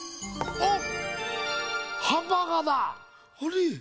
あっ。